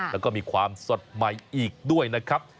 แล้วก็มีความสดใหม่อีกด้วยนะครับ